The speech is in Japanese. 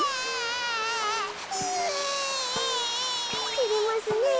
てれますねえ。